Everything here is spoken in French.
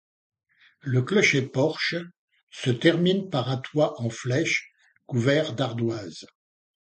Le clocher-porche se termine par un toit en flèche couvert d'ardoise.